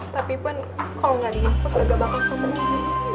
tapi pun kalau tidak diinfus agak bakal sembuh